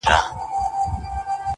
بېخبره مي هېر کړي نعمتونه!